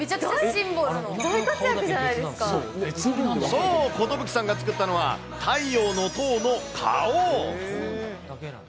そう、コトブキさんが作ったのは、太陽の塔の顔。